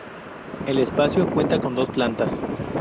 El espacio cuenta con dos plantas.